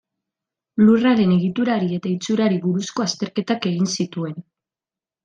Lurraren egiturari eta itxurari buruzko azterketak egin zituen.